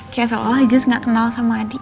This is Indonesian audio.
kayak seolah olah jess gak kenal sama adi